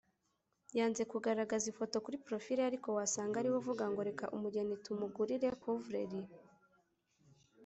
yanze kugaragaza ifoto kuri profile ye ariko wasanga ari we uvuga ngo reka umugeni tumugurire ‘couvrelit’